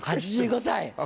８５歳。